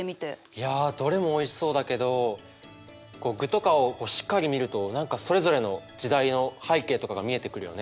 いやどれもおいしそうだけど具とかをしっかり見ると何かそれぞれの時代の背景とかが見えてくるよね。